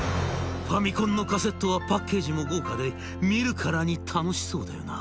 ファミコンのカセットはパッケージも豪華で見るからに楽しそうだよな。